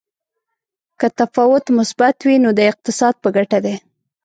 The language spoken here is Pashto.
که تفاوت مثبت وي نو د اقتصاد په ګټه دی.